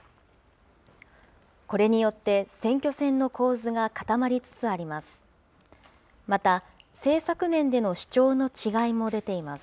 これによって選挙戦の構図が固まりつつあります。